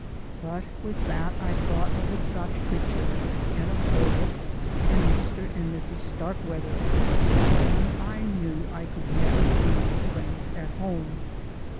But with that I thought of the Scotch preacher, and of Horace, and Mr. and Mrs. Starkweather, and I knew I could never leave the friends at home.